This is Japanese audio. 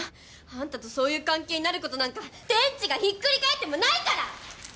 あんたとそういう関係になることなんか天地がひっくり返ってもないから！